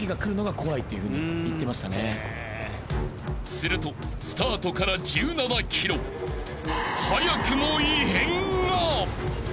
［するとスタートから１７ｋｍ早くも異変が］